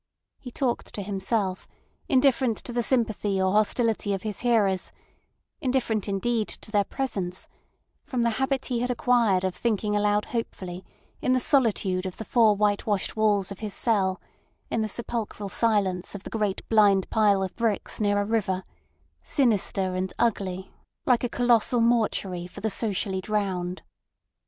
He talked to himself, indifferent to the sympathy or hostility of his hearers, indifferent indeed to their presence, from the habit he had acquired of thinking aloud hopefully in the solitude of the four whitewashed walls of his cell, in the sepulchral silence of the great blind pile of bricks near a river, sinister and ugly like a colossal mortuary for the socially drowned.